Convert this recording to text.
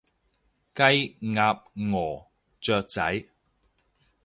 雞，鴨，鵝，雀仔